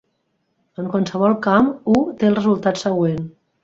En qualsevol camp, u té el resultat següent.